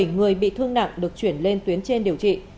bảy người bị thương nặng được chuyển lên tuyến trên điều trị